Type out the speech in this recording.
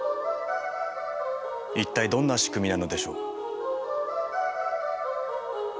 一体どんな仕組みなのでしょう？